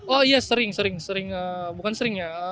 oh iya sering sering sering bukan sering ya